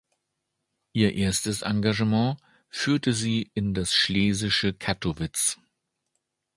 Ihr erstes Engagement führte sie in das schlesische Kattowitz.